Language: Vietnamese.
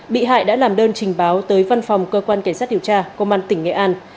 bị hại đã làm đơn trình báo tới văn phòng cơ quan cảnh sát điều tra công an tỉnh nghệ an